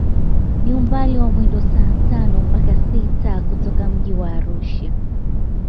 Ni umbali wa mwendo wa saa tano mpaka sita kutoka mji wa Arusha